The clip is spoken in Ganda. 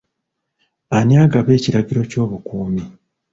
Ani agaba ekiragiro ky'obukuumi?